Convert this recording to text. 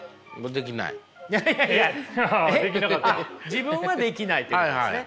自分はできないということですね。